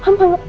mama gak mau